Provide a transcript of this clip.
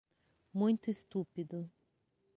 Muito estúpido